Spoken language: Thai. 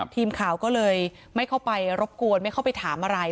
ทีมข่าวก็เลยไม่เข้าไปรบกวนไม่เข้าไปถามอะไร